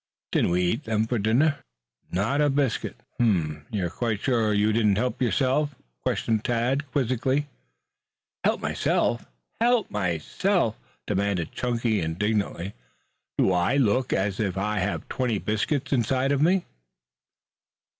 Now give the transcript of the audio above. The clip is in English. "Didn't we eat them for dinner?" "Not a bisc." "Hm m! You are quite sure you didn't help yourself?" questioned Tad quizzically. "Help myself? Help myself?" demanded Chunky indignantly. "Do I look as if I had twenty biscuit inside of me?"